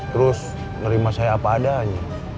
terus nerima saya apa adanya